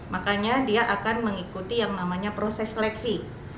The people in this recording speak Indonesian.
makanya dia akan mengikuti yang namanya proses seleksi